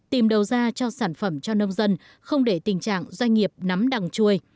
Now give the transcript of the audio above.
tìm đầu ra cho sản phẩm cho nông dân không để tình trạng doanh nghiệp nắm đằng chui